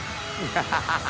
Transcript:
ハハハ